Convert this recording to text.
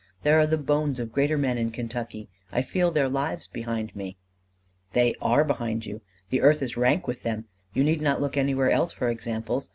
There are the bones of greater men in Kentucky: I feel their lives behind me." "They are behind you: the earth is rank with them. You need not look anywhere else for examples.